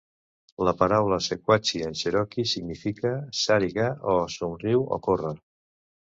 La paraula "sequachee" en cherokee significa "sariga" o "somriu o corre".